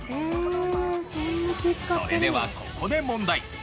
それではここで問題。